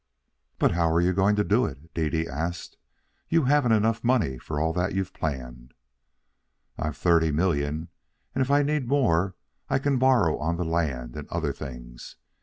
"But how are you going to do it?" Dede asked. "You haven't enough money for all that you've planned." "I've thirty million, and if I need more I can borrow on the land and other things.